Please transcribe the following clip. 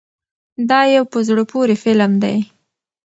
دا یو په زړه پورې فلم دی.